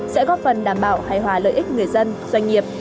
sẽ góp phần đảm bảo hài hòa lợi ích người dân doanh nghiệp